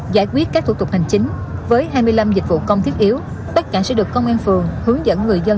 giải quyết các thủ tục hành chính với hai mươi năm dịch vụ công thiết yếu tất cả sẽ được công an phường hướng dẫn người dân